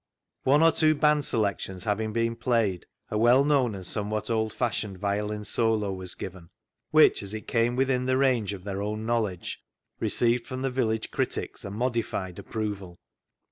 One or two band selections having been played, a well known and somewhat old fashioned violin solo was given, which, as it came within the range of their own knowledge, received from the village critics a modified approval.